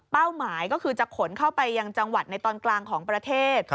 หมายก็คือจะขนเข้าไปยังจังหวัดในตอนกลางของประเทศ